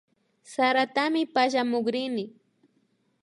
Saratami pallakukrini